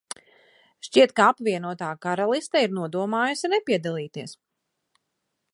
Šķiet, ka Apvienotā Karaliste ir nodomājusi nepiedalīties.